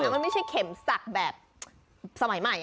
มันไม่ใช่เข็มสักแบบสมัยใหม่